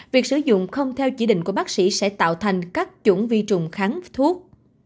việc sử dụng không theo chỉ định của bác sĩ sẽ tạo thành các chủng vi trùng kháng thuốc